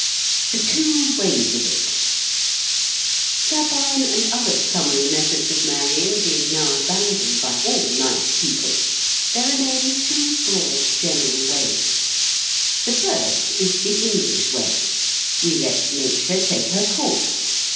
THE TWO WAYS OF IT Sabine and other summary methods of marrying being now abandoned by all nice people, there remain two broad general ways. The first is the English way. We let nature take her course.